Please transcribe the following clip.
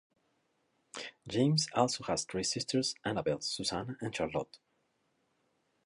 James also has three sisters Annabelle, Susannah and Charlotte.